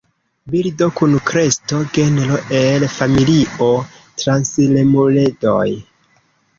Birdo kun kresto, genro el familio transiremuledoj.